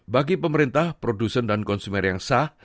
bagi pemerintah produsen dan konsumen yang sah